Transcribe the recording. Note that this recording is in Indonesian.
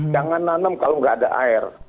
jangan nanam kalau nggak ada air